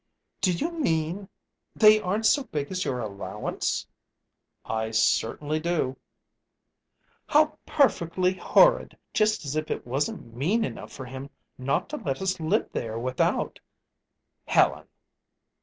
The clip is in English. "Do you mean they aren't so big as your allowance?" "I certainly do." "How perfectly horrid! Just as if it wasn't mean enough for him not to let us live there, without " "Helen!"